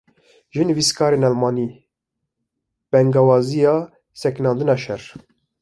Ji nivîskarên Elmanî, bangewaziya sekinandina şer